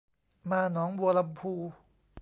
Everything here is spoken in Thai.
มาหนองบัวลำภู